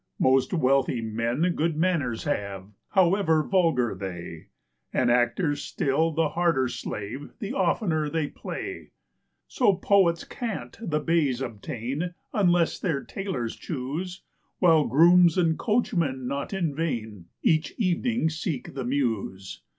Most wealthy men good manors have, however vulgar they; And actors still the harder slave the oftener they play. So poets can't the baize obtain, unless their tailors choose; While grooms and coachmen not in vain each evening seek the Mews.